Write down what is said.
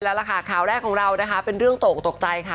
แล้วละคะข่าวแรกของเราเป็นเรื่องโต๊ะโต๊ะใจค่ะ